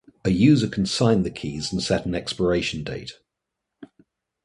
A user can sign the keys, and set an expiration date.